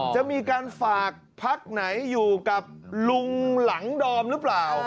จะมีการฝากพักไหนอยู่กับลุงหลังดอมหรือเปล่า